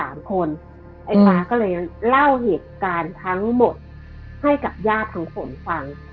ไอ้ฟ้าก็เลยเล่าเหตุการณ์ทั้งหมดให้กับญาติทั้งฝนฟัง